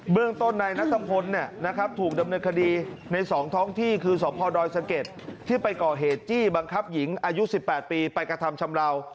เบื้องต้นในนัทธพลเนี่ยนะครับถูกดำเนื้อคดีในสองท้องที่คือสพรดอยสังเกตที่ไปก่อเหตุจี้บังคับหญิงอายุ๑๘ปีไปกระทำชำราว